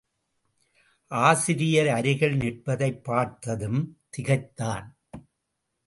ஆசிரியர் அருகில் நிற்பதைப் பார்த்ததும் திகைத்தான்.